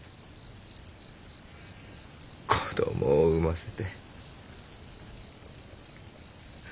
子供を産ませて。